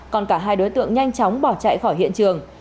còn cả hai đối tượng nhanh chóng bỏ chạy khỏi hiện trường